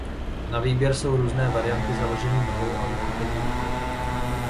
Na výběr jsou různé varianty založení nohou a uchopení rukou.